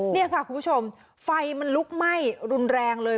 นี่ค่ะคุณผู้ชมไฟมันลุกไหม้รุนแรงเลย